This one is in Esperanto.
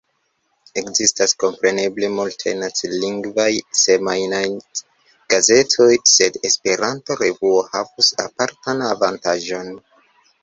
Ekzistas kompreneble multaj nacilingvaj semajnaj gazetoj, sed Esperanto-revuo havus apartan avantaĝon.